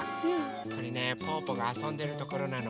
これねぽぅぽがあそんでるところなの。